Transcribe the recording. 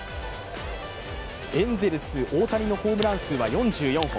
エンゼルス・大谷のホームラン数は４４本。